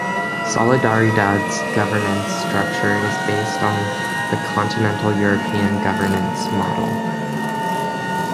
Solidaridad's governance structure is based on the continental European governance model.